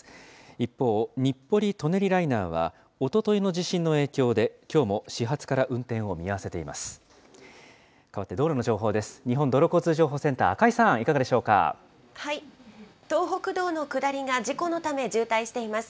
一方、日暮里・舎人ライナーはおとといの地震の影響で、きょうも始発から運転を見合わせています。